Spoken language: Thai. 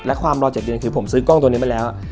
และความรอ๗เดือนคือผมซื้อกล้องตัวนี้มาแล้ว